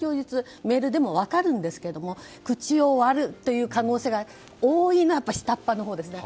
メールでも分かるんですけども口を割る可能性が多いのは下っ端のほうですね。